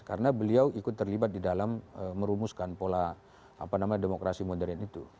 karena beliau ikut terlibat di dalam merumuskan pola demokrasi modern itu